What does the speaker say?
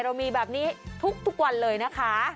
เรามีแบบนี้ทุกวันเลยนะคะ